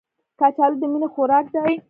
کچالو د مینې خوراک دی